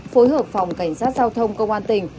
phối hợp phòng cảnh sát giao thông công an tỉnh